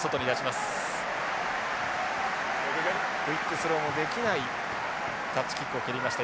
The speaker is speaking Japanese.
クイックスローのできないタッチキックを蹴りました山中。